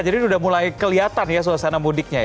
jadi sudah mulai kelihatan ya suasana mudiknya